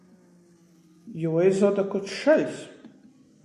Juoizoda koč šaļs!